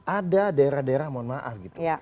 ada daerah daerah mohon maaf gitu